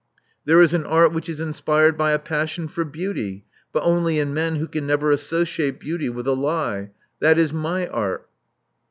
There is an art which is inspired by a passion for beauty, but only in men who can never associate beauty with a lie. That is my art.